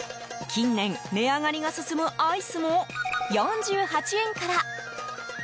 近年、値上がりが進むアイスも４８円から。